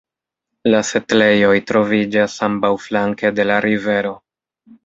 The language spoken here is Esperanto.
La setlejoj troviĝas ambaŭflanke de la rivero.